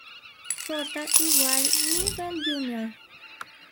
J=Nivel Junior